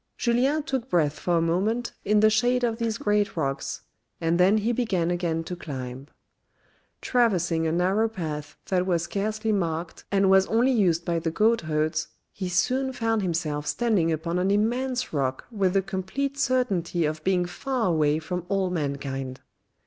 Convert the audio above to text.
Julien took breath for a moment in the shade of these great rocks, and then he began again to climb. Traversing a narrow path that was scarcely marked, and was only used by the goat herds, he soon found himself standing upon an immense rock with the complete certainty of being far away from all mankind.